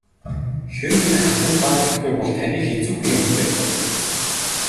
Хэрэв энэ хатанд таалагдахгүй бол таныг хэцүүхэн юм хүлээх болно.